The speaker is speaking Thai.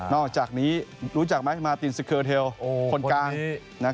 อกจากนี้รู้จักไหมมาตินสเคอร์เทลคนกลาง